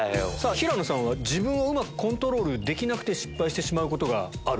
平野さんは自分をうまくコントロールできなくて失敗してしまうことがある。